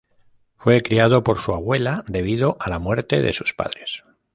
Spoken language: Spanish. Fue criado por su abuela debido a la muerte de sus padres.